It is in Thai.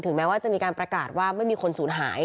แม้ว่าจะมีการประกาศว่าไม่มีคนศูนย์หาย